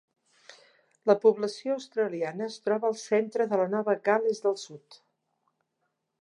La població australiana es troba al centre de Nova Gal·les del Sud.